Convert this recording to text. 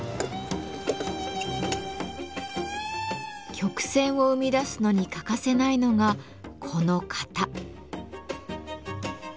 曲線を生み出すのに欠かせないのがこの型。